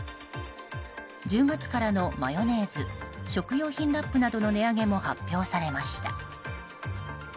１０月からのマヨネーズ食品用ラップなどの値上げも発表されました。